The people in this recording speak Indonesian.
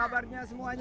ada lagi yang terbaik